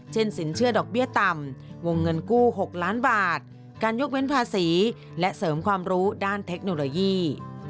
สินเชื่อดอกเบี้ยต่ำวงเงินกู้๖ล้านบาทการยกเว้นภาษีและเสริมความรู้ด้านเทคโนโลยี